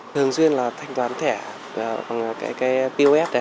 thường xuyên là thanh toán thẻ bằng cái pos đấy